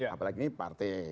apalagi ini partai